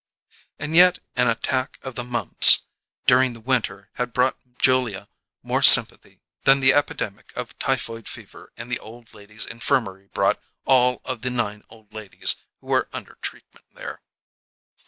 And yet an attack of the mumps during the winter had brought Julia more sympathy than the epidemic of typhoid fever in the Old Ladies' Infirmary brought all of the nine old ladies who were under treatment there.